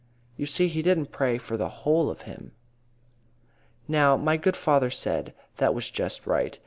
"You see, he didn't pray for the whole of him. "Now, my good father said that was just right.